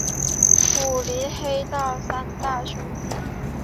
武林黑道的三大凶地之一。